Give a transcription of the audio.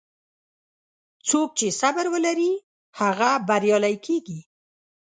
څوک چې صبر ولري، هغه بریالی کېږي.